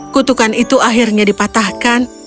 kutukan itu akhirnya dipatahkan